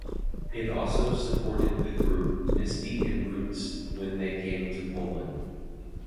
It also supported the group Misty in Roots when they came to Poland.